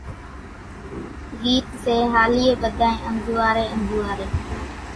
ڳيت سيھاليئين ٻڌانئين انزوئاري انزوئاري،